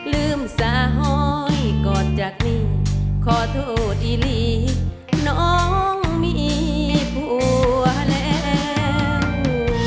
ลืมสาหอยก่อนจากนี้ขอโทษอีลีน้องมีผัวแล้ว